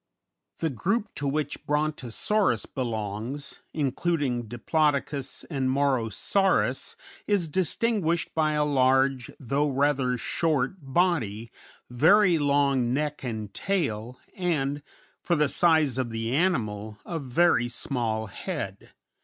] The group to which Brontosaurus belongs, including Diplodocus and Morosaurus, is distinguished by a large, though rather short, body, very long neck and tail, and, for the size of the animal, a very small head.